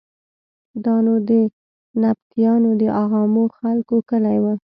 دا نو د نبطیانو د عامو خلکو کلی و.